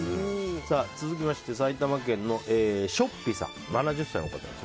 続きまして埼玉県の７０歳の方。